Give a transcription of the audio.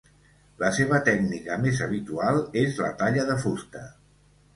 La seva tècnica més habitual és la talla de fusta.